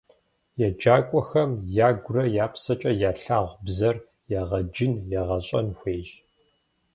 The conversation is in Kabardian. Еджакӏуэхэм ягурэ я псэкӏэ ялъагъу бзэр егъэджын, егъэщӏэн хуейщ.